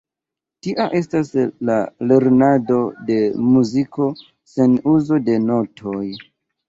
Tia estas la lernado de muziko sen uzo de notoj.